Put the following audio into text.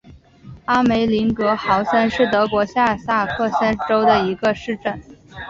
阿梅林格豪森是德国下萨克森州的一个市镇。